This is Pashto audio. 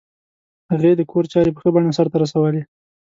هغې د کور چارې په ښه بڼه سرته رسولې